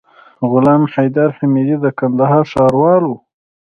غلام حيدر حميدي د کندهار ښاروال وو.